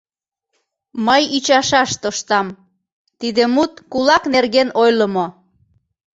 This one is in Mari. Мый ӱчашаш тоштам: тиде мут кулак нерген ойлымо...